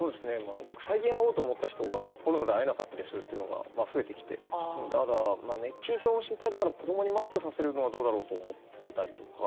僕、最近、会おうと思った人がコロナで会えなかったりするということが増えてきてただ、熱中症も心配だから子供にマスクさせるのはどうだろうと思ってたりとか。